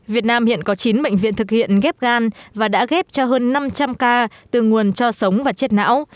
việt nam hiện có chín bệnh viện thực hiện ghép gan và đã ghép cho hơn năm trăm linh ca từ nguồn cho sống và chết não